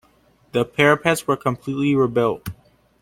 The parapets were completely rebuilt.